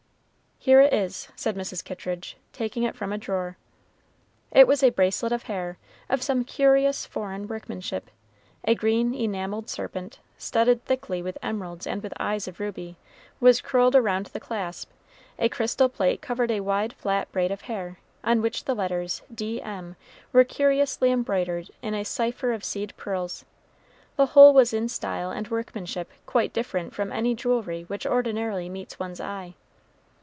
"Here it is," said Mrs. Kittridge, taking it from a drawer. It was a bracelet of hair, of some curious foreign workmanship. A green enameled serpent, studded thickly with emeralds and with eyes of ruby, was curled around the clasp. A crystal plate covered a wide flat braid of hair, on which the letters "D.M." were curiously embroidered in a cipher of seed pearls. The whole was in style and workmanship quite different from any jewelry which ordinarily meets one's eye.